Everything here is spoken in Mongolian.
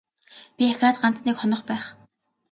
Би ахиад ганц нэг хонох байх.